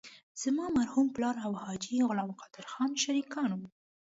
زما مرحوم پلار او حاجي غلام قادر خان شریکان وو.